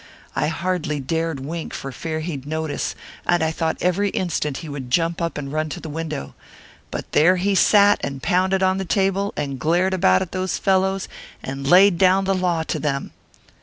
I hardly dared wink, for fear he'd notice; and I thought every instant he would jump up and run to the window. But there he sat, and pounded on the table, and glared about at those fellows, and laid down the law to them."